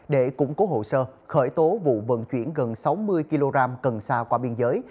để củng cố hồ sơ khởi tố vụ vận chuyển gần sáu mươi kg cần xa qua biên giới